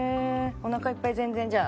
おなかいっぱい全然じゃあ？